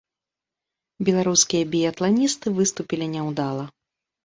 Беларускія біятланісты выступілі няўдала.